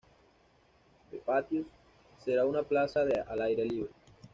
The Patios será una plaza al aire libre.